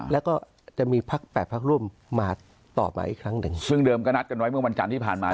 แล้วก็จะมีพักแปดพักร่วมมาต่อไปอีกครั้งหนึ่งซึ่งเดิมก็นัดกันไว้เมื่อวันจันทร์ที่ผ่านมา